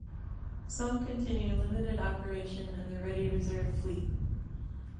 Some continue limited operation in the Ready Reserve Fleet.